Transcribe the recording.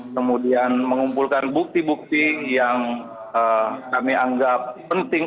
kemudian mengumpulkan bukti bukti yang kami anggap penting